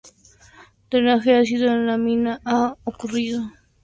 Drenaje ácido de la mina ha ocurrido.